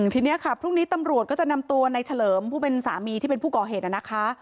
ทีนี้ค่ะพรุ่งนี้ตำรวจก็จะนำตัวในเฉลิมผู้เป็นสามีที่เป็นผู้ก่อเหตุนะคะ